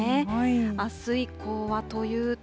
あす以降はというと。